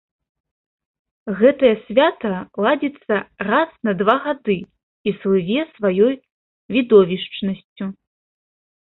Гэтае свята ладзіцца раз на два гады і слыве сваёй відовішчнасцю.